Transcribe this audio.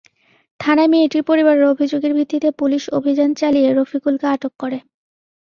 থানায় মেয়েটির পরিবারের অভিযোগের ভিত্তিতে পুলিশ অভিযান চালিয়ে রফিকুলকে আটক করে।